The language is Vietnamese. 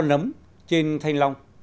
nấm trên thanh long